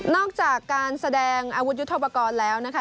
อกจากการแสดงอาวุธยุทธปกรณ์แล้วนะคะ